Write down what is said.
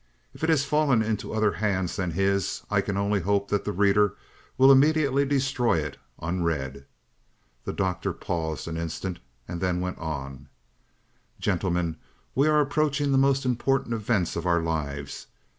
If it has fallen into other hands than his I can only hope that the reader will immediately destroy it unread.'" The Doctor paused an instant, then went on. "Gentlemen, we are approaching the most important events of our lives.